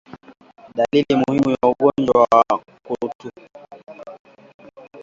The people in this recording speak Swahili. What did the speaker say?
Dalili muhimu ya ugonjwa wa ukurutu